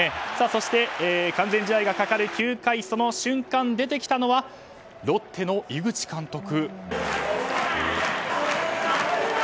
そして、完全試合がかかる９回その瞬間出てきたのはロッテの井口監督。